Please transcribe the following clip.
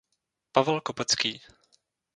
Pavel Kopecký.